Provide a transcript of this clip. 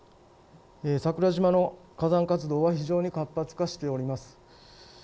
桜島の火山活動は非常に活発化しております。